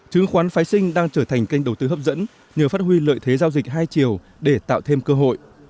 chứng khoán phái sinh đang trở thành kênh đầu tư hấp dẫn nhờ phát huy lợi thế giao dịch hai chiều để tạo thêm cơ hội